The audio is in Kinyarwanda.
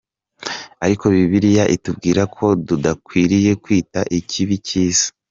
Ariko Bibiliya itubwira ko tudakwiriye kwita ikibi icyiza.